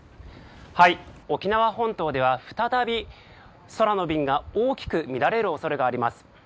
沖縄本島では再び空の便が大きく乱れる恐れがあります。